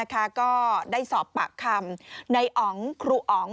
ก็ได้สอบปากคำในอ๋องครูอ๋อง